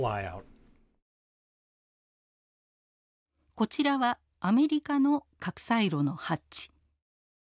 こちらはアメリカの核サイロのハッチ。